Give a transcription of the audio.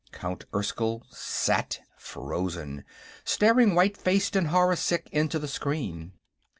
Count Erskyll sat frozen, staring white faced and horror sick into the screen.